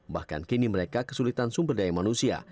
bahkan kini mereka kesulitan sumber daya manusia